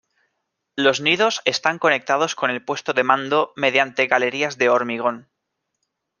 Los nidos están conectados con el puesto de mando mediante galerías de hormigón.